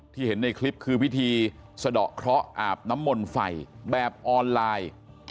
เห็นในคลิปคือพิธีสะดอกเคราะห์อาบน้ำมนต์ไฟแบบออนไลน์